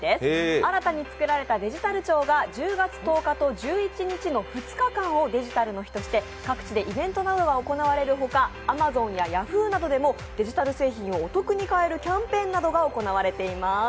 新たに作られたデジタル庁が１０月１０日と１１日の２日間をデジタルの日として各地でイベントなどが行われるほかアマゾンやヤフーなど、デジタル製品がお得に買えるキャンペーンが行われています。